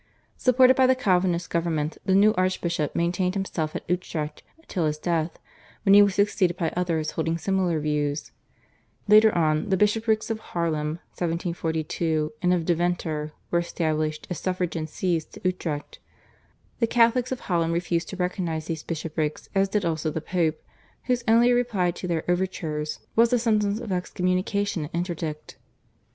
Supported by the Calvinist government the new archbishop maintained himself at Utrecht till his death, when he was succeeded by others holding similar views. Later on the Bishoprics of Haarlem (1742) and of Deventer were established as suffragan Sees to Utrecht. The Catholics of Holland refused to recognise these bishoprics as did also the Pope, whose only reply to their overtures was a sentence of excommunication and interdict.